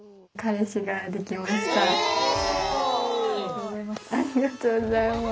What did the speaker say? おめでとうございます。